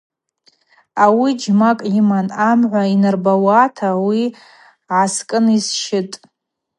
Ауи джьмакӏ йыман амгӏва йнарбауата – ауи гӏаскӏын йсщытӏ.